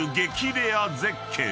レア絶景］